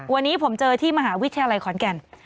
วันนี้ผมเจอที่มหาวิทยาลัยขอนแก่น